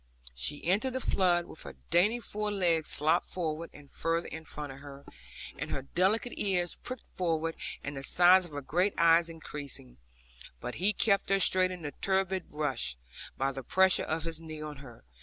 She entered the flood, with her dainty fore legs sloped further and further in front of her, and her delicate ears pricked forward, and the size of her great eyes increasing, but he kept her straight in the turbid rush, by the pressure of his knee on her.